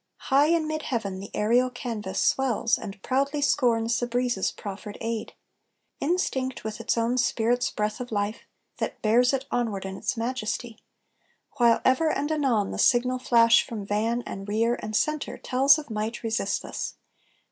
High in mid heaven the aërial canvas swells, And proudly scorns the breeze's proffered aid; Instinct with its own spirit's breath of life, That bears it onward in its majesty: While ever and anon the signal flash From van, and rear, and centre, tells of might Resistless.